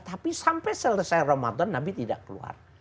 tapi sampai selesai ramadan nabi tidak keluar